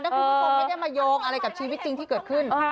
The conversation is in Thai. ถ้าคุณผู้ชมไม่ได้มาโยงอะไรกับชีวิตจริงที่เกิดขึ้น